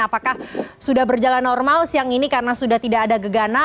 apakah sudah berjalan normal siang ini karena sudah tidak ada gegana